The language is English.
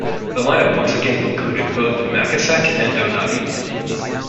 The line-up once again included both Machacek and Donati.